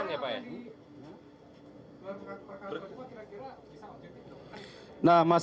gelar perkara dua kira kira bisa menjadi gelar perkara dua